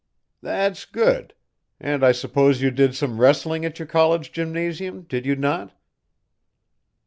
"That's good. And I suppose you did some wrestling at your college gymnasium, did you not?"